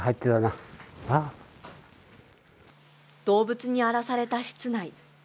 動物に荒らされた室内。